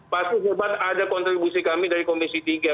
pasti hebat ada kontribusi kami dari komisi tiga